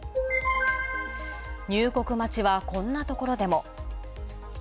入国待ちは、こんなところでも。